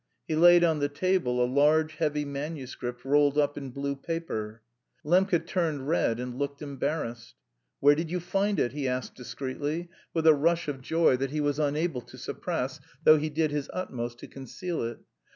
He laid on the table a large heavy manuscript rolled up in blue paper. Lembke turned red and looked embarrassed. "Where did you find it?" he asked discreetly, with a rush of joy which he was unable to suppress, though he did his utmost to conceal it.